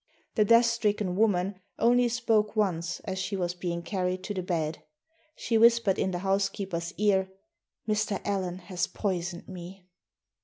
The death stricken woman only spoke once as she was being carried to the bed. She whispered in the housekeeper's ear, "Mr. Allen has poisoned me."